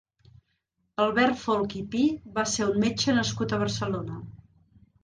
Albert Folch i Pi va ser un metge nascut a Barcelona.